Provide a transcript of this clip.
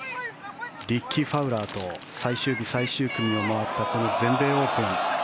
リッキー・ファウラーと最終日、最終組を回ったこの全米オープン。